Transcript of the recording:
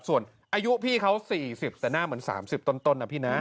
ส่วนอายุพี่เขา๔๐แต่หน้าเหมือน๓๐ต้นนะพี่นะ